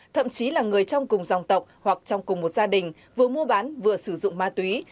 thậm chí là người trong cùng dòng tộc hoặc trong cùng một gia đình vừa mua bán vừa sử dụng ma túy